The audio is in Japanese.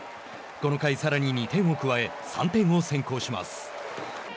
この回、さらに２点を加え３点を先行します。